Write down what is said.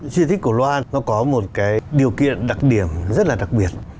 di tích cổ loa nó có một cái điều kiện đặc điểm rất là đặc biệt